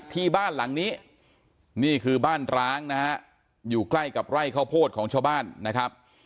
ที่บ้านหลังนี้นี่คือบ้านร้างนะฮะอยู่ใกล้กับไร่ข้าวโพดของชาวบ้านนะครับ